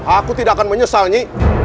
aku tidak akan menyesal nyinyi